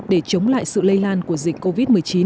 để chống lại sự lây lan của dịch covid một mươi chín